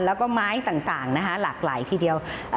แล้วก็ไม้ต่างนะคะหลากหลายทีเดียว